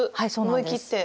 思い切って？